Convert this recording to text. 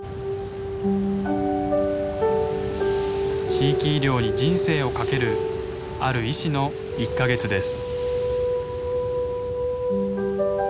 地域医療に人生をかけるある医師の１か月です。